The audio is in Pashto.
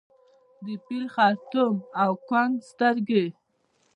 د فیل خړتوم او کونګ سترګي